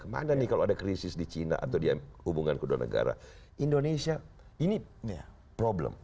ke mana nih kalau ada krisis di cina atau dia hubungan kedua negara indonesia ini problem